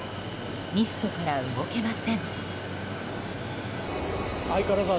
ミストから動けません。